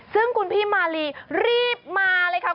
ซึ่งครุ่นพี่ครุ่นพี่คุณมาลีรีบมาเลยครับคุณ